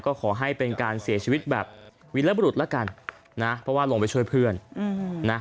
ก็ขอให้เป็นการเสียชีวิตแบบวิลบรุษแล้วกันนะเพราะว่าลงไปช่วยเพื่อนนะ